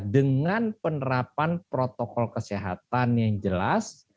dengan penerapan protokol kesehatan yang jelas